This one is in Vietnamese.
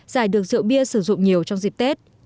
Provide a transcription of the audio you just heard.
giải được rượu bia sử dụng nhiều trong dịp tết